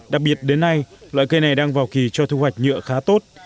đặc biệt đến nay loại cây này đang vào kỳ cho thu hoạch nhựa khá tốt